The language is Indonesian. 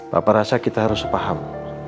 papa rasa kita harus paham